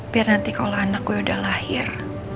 biar nanti kalau anak gue udah lahir